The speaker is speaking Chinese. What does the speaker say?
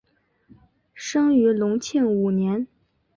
生于隆庆五年。